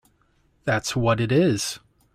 That’s what it is!